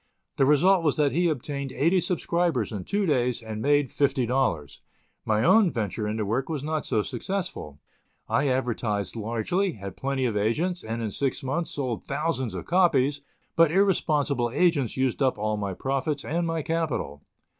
The result was that he obtained eighty subscribers in two days, and made $50. My own venture in the work was not so successful; I advertised largely, had plenty of agents, and, in six months, sold thousands of copies; but irresponsible agents used up all my profits and my capital.